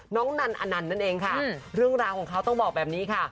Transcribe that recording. นันอนันต์นั่นเองค่ะเรื่องราวของเขาต้องบอกแบบนี้ค่ะ